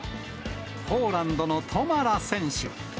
ポーランドのトマラ選手。